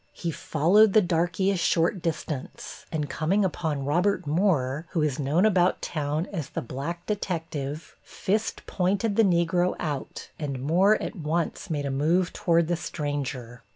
He followed the darkey a short distance, and, coming upon Robert Moore, who is known about town as the "black detective," Fist pointed the Negro out and Moore at once made a move toward the stranger.